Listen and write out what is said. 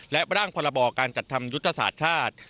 และร่างพลบการจัดทำยุตภาษาชาติ